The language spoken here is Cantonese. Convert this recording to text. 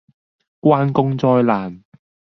關公災難